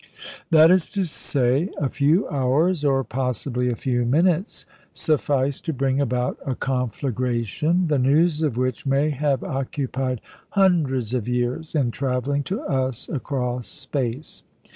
That is to say, a few hours, or possibly a few minutes, sufficed to bring about a conflagration, the news of which may have occupied hundreds of years in travelling to us across space.